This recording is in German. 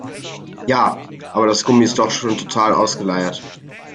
Ja, aber das Gummi ist doch schon total ausgeleiert.